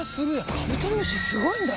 カブトムシすごいんだね。